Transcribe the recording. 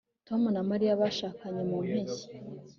tom na mariya bashakanye muriyi mpeshyi